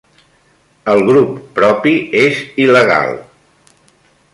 El grup propi és il·legal